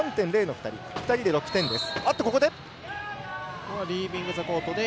２人で６点です。